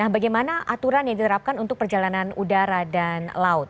bagaimana aturan yang diterapkan untuk perjalanan udara dan laut